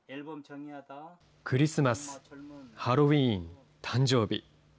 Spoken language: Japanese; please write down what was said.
クリスマス、ハロウィーン、誕生日。